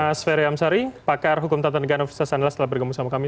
mas ferry amsari pakar hukum tata negara ustaz sandela setelah bergabung sama kami